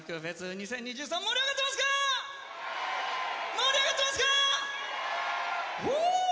盛り上がってますか⁉イェーイ！